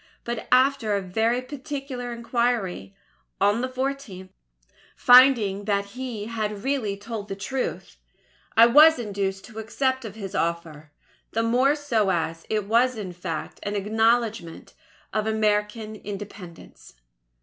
But after a very particular inquiry, on the 14th, finding that he had really told the truth, I was induced to accept of his offer; the more so as it was in fact an acknowledgment of American Independence.